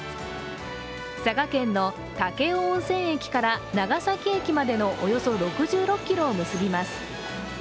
佐賀県の武雄温泉駅から長崎駅までのおよそ６６ｋｍを結びます。